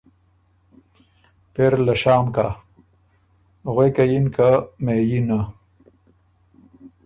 پېری له شام کَۀ غوېکه یِن که ”مهئينه “